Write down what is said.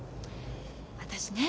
私ね